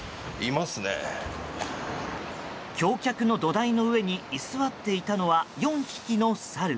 橋脚の土台の上に居座っていたのは４匹のサル。